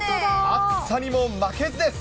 暑さにも負けずです。